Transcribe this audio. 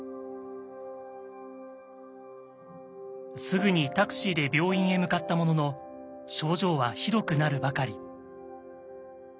すぐにタクシーで病院へ向かったものの症状はひどくなるばかり。